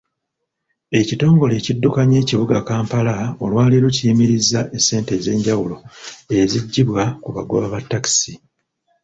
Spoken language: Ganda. Ekitongole ekiddukanya ekibuga Kampala olwaleero kiyimirizza essente ez'enjawulo eziggibwa ku bagoba ba takisi.